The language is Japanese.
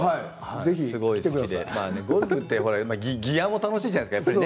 ゴルフはギアも楽しいじゃないですか。